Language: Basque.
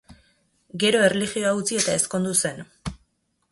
Gero erlijioa utzi eta ezkondu zen.